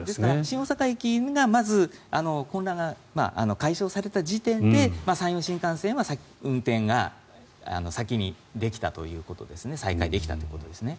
ですから新大阪駅がまず混乱が解消された時点で山陽新幹線は運転が先にできたということですね。